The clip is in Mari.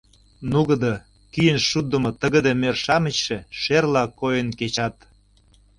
Нугыдо, кӱын шудымо тыгыде мӧр-шамычше шерла койын кечат.